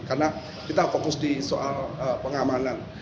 karena kita fokus di soal pengamanan